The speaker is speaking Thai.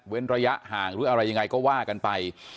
ระยะห่างหรืออะไรยังไงก็ว่ากันไป